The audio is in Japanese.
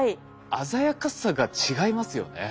鮮やかさが違いますよね。